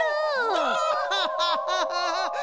アハハハ！